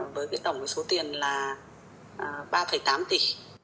với cái tổng số tiền là ba tám tỷ